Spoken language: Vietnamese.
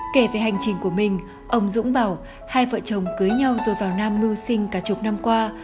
kể về hành trình của mình ông dũng bảo hai vợ chồng cưới nhau rồi vào nam mưu sinh cả chục năm qua